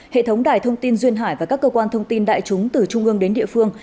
hệ thống đài thông tin duyên hải và các cơ quan thông tin đại chúng từ trung ương đến địa phương